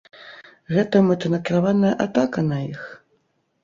Гэта мэтанакіраваная атака на іх?